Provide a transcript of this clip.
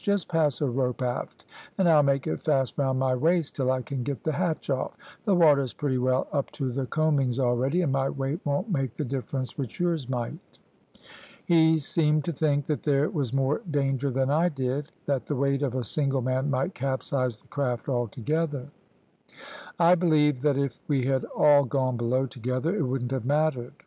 `Just pass a rope aft and I'll make it fast round my waist till I can get the hatch off. The water is pretty well up to the coamings already, and my weight won't make the difference which yours might.' "He seemed to think that there was more danger than I did that the weight of a single man might capsize the craft altogether. I believed that if we had all gone below together it wouldn't have mattered.